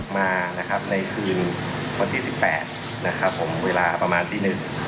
มาในคืนวัน๑๘๐๐นะครับผมเวลาประมาณที่๑